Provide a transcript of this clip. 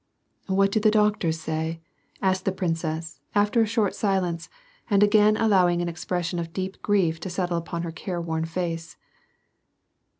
"What do the doctors say," asked the princess, after a short silence, and again allowing an expression of deep grief to settle upon her careworn face.